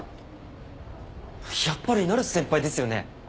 やっぱり成瀬先輩ですよね？